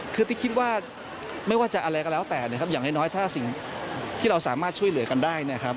คิดว่าไม่ว่าจะอะไรก็แล้วแต่อย่างน้อยสิ่งที่เราสามารถช่วยเหลือกันได้